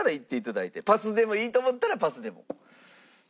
パスでもいいと思ったらパスでも。